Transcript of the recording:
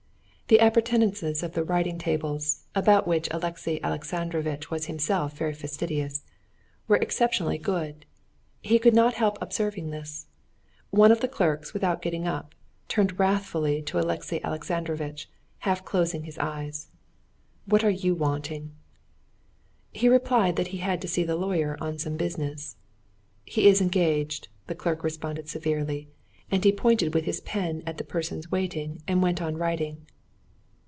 The appurtenances of the writing tables, about which Alexey Alexandrovitch was himself very fastidious, were exceptionally good. He could not help observing this. One of the clerks, without getting up, turned wrathfully to Alexey Alexandrovitch, half closing his eyes. "What are you wanting?" He replied that he had to see the lawyer on some business. "He is engaged," the clerk responded severely, and he pointed with his pen at the persons waiting, and went on writing.